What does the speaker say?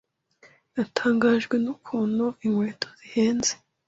Natangajwe n'ukuntu inkweto zihenze.